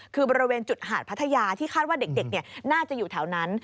คือบริเวณจุดหาดพัทยาที่คาดว่าเด็กน่าจะอยู่แถวนั้น